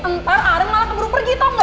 ntar arief malah keburu pergi tau gak